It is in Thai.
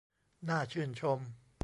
น่าชื่นชม